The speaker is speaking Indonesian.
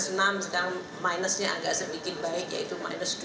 sekarang minusnya agak sedikit baik yaitu minus dua